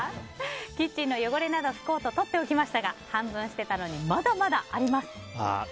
キッチンの汚れを拭こうと取っておきましたが半分捨てたのにまだまだあります。